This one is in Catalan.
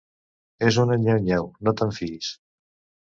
És una nyeu-nyeu: no te'n fiïs.